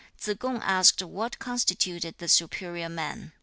Tsze kung asked what constituted the superior man.